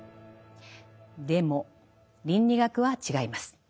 でも倫理学は違います。